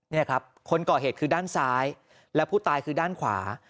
นี่ครับคนก่อเหตุคือด้านซ้ายและผู้ตายคือด้านขวา